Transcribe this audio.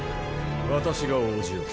私が応じよう。